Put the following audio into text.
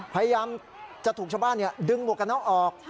พยายามจะถูกชาวบ้านดึงหมวกกันน็อกออก